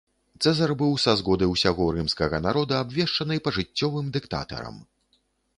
Цэзар быў са згоды ўсяго рымскага народа абвешчаны пажыццёвым дыктатарам.